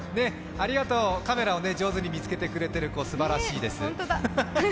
ありがとう、カメラを上手に見つけてくれてる子、すばらしいです。